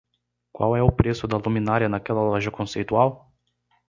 Qual é o preço da luminária naquela loja conceitual?